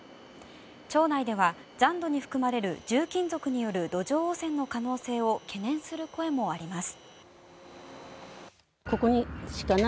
町内では残土に含まれる重金属による土壌汚染の可能性を懸念する声もあります。